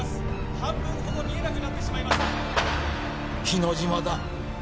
半分ほど見えなくなってしまいました日之島だ